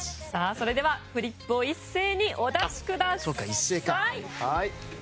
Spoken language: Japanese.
それではフリップを一斉にお出しください。